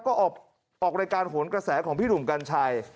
ก็ออกรายการโหนกระแสของพี่หนุ่มกัญชัย